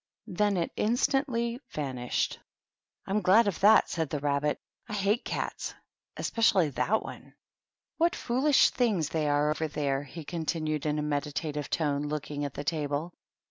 Then it instantly vanished. " I'm glad of that /" said the Rabbit. " I hate cats, and especially that one. THE TEA TABLE. 83 " What foolish things they are over there !" he continued, in a meditative tone, looking at the table.